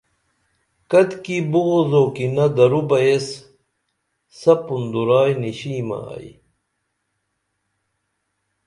کتِکی بغض او کِینہ درو بہ ایس سپُن درائی نِیشیمہ ائی